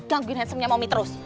gangguin handsomenya momi terus